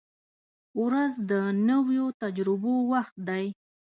• ورځ د نویو تجربو وخت دی.